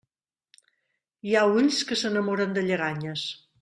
Hi ha ulls que s'enamoren de lleganyes.